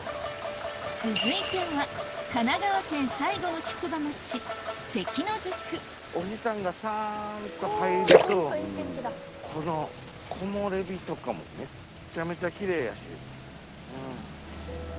続いては神奈川県最後の宿場町関野宿お日さんがさんと入るとこの木漏れ日とかもめっちゃめちゃきれいやし。